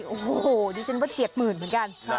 โอ้โหดิฉันว่าเฉียดหมื่นเหมือนกัน